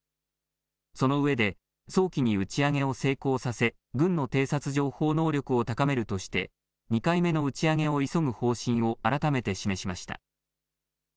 そのうえで早期に打ち上げを成功させ軍の偵察情報能力を高めるとして２回目の打ち上げを急ぐ方針を改めて示しました。